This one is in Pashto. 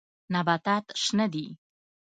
نباتات شنه دي.